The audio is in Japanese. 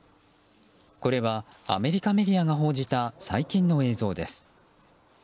これはアメリカメディアが報じた最近の映像です。